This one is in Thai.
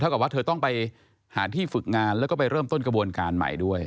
กับว่าเธอต้องไปหาที่ฝึกงานแล้วก็ไปเริ่มต้นกระบวนการใหม่ด้วย